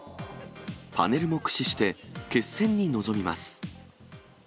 パネルも駆使して、決戦に臨みます。